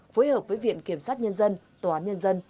phối hợp với viện kiểm sát nhân dân tòa án nhân dân